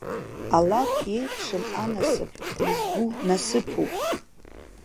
Алакә еиԥшым анасыԥ, изгу насыԥуп.